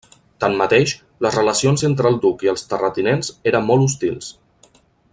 Tanmateix, les relacions entre el duc i els terratinents era molt hostils.